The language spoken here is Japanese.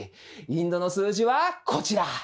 インドの数字はこちら。